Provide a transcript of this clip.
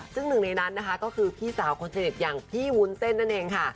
ซึ่งหนึ่งในนั้นนะคะก็คือพี่สาวคนสนิทอย่างพี่วุ้นเส้นนั่นเองค่ะ